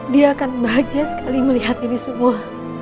dia akan bahagia sekali melihat ini semua